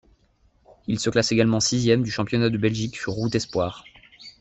Il se classe également sixième du championnat de Belgique sur route espoirs.